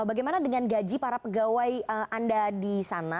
bagaimana dengan gaji para pegawai anda